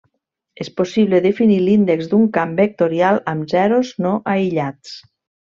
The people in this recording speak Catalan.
És possible definir l'índex d'un camp vectorial amb zeros no aïllats.